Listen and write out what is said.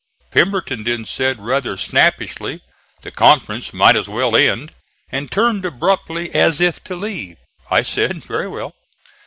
Pemberton then said, rather snappishly, "The conference might as well end," and turned abruptly as if to leave. I said, "Very well."